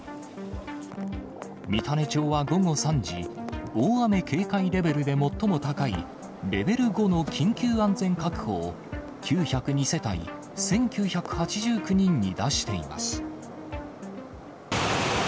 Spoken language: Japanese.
三種町は午後３時、大雨警戒レベルで最も高いレベル５の緊急安全確保を、９０２世帯１９８９人に出しています。